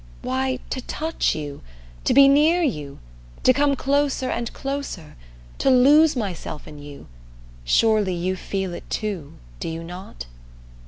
Why, to touch you to be near you to come closer and closer to lose myself in you surely you feel it too, do you not?"